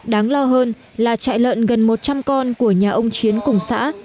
đáng lo hơn là trại lợn gần một trăm linh con của nhà ông chiến cùng xã